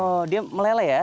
oh dia meleleh ya